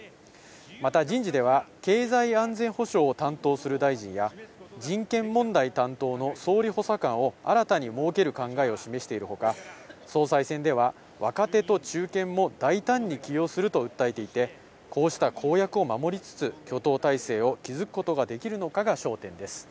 また、人事では、経済安全保障を担当する大臣や人権問題担当の総理補佐官を新たに設ける考えを示しているほか、総裁選では若手と中堅も大胆に起用すると訴えていて、こうした公約を守りつつ、挙党体制を築くことができるのかが焦点です。